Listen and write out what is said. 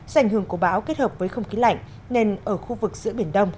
do ảnh hưởng của bão kết hợp với không khí lạnh nên ở khu vực giữa biển đông